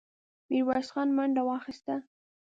ميرويس خان منډه واخيسته.